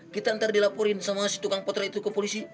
kita nanti dilaporin sama si tukang potret itu ke polisi